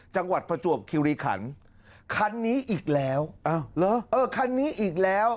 ประจวบคิวรีขันคันนี้อีกแล้วอ้าวเหรอเออคันนี้อีกแล้ว